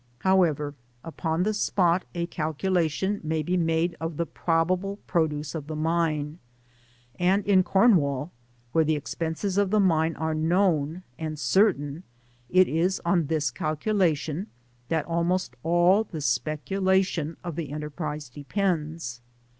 However, upon the spot a calculation may be made of the probable produce of the mine ; and in Cornwall, where the expenses of the mine are known and certain, it is on this calculation that almost all the speculation of the enterprise depends.